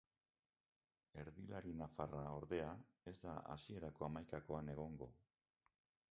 Erdilari nafarra, ordea, ez da hasierako hamaikakoan egongo.